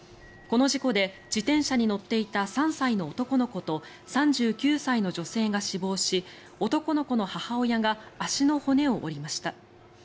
この事故で自転車に乗っていた３歳の男の子と３９歳の女性が死亡し男の子の母親が足の骨を折りました。